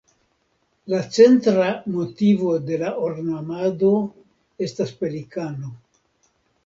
La centra motivo de la ornamado estas pelikano.